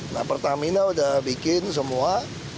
nah pertamina sudah bikin semua